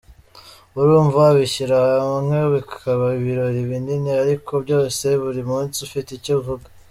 Urumva wabishyira hamwe bikaba ibirori binini…Ariko byose buri munsi ufite icyo uvuga.